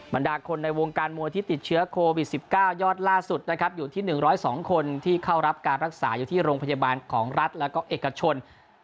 บรรดาคนในวงการมวยที่ติดเชื้อโควิด๑๙ยอดล่าสุดนะครับอยู่ที่๑๐๒คนที่เข้ารับการรักษาอยู่ที่โรงพยาบาลของรัฐแล้วก็เอกชน